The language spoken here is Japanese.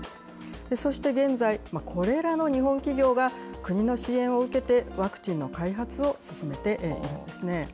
そして現在、これらの日本企業が国の支援を受けて、ワクチンの開発を進めているんですね。